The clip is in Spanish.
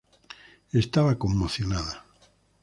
Estaba conmocionada.